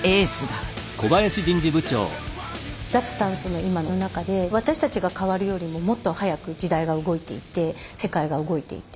脱炭素の今の中で私たちが変わるよりももっと速く時代が動いていて世界が動いていて。